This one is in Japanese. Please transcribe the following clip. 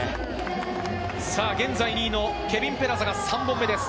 現在２位のケビン・ペラザが３本目です。